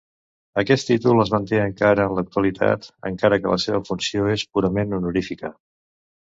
Aquest títol es manté encara en l'actualitat, encara que la seva funció és purament honorífica.